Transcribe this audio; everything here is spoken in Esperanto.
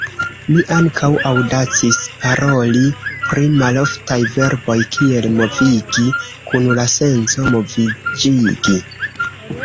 Mi ankaŭ aŭdacis paroli pri maloftaj verboj kiel "movigi" kun la senco "moviĝigi".